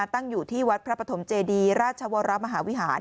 ตั้งอยู่ที่วัดพระปฐมเจดีราชวรมหาวิหาร